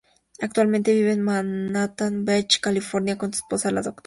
Actualmente vive en Manhattan Beach, California con su esposa, la Dra.